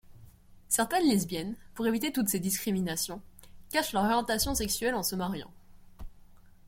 Certaines lesbiennes, pour éviter toutes ces discriminations, cachent leur orientation sexuelle en se mariant.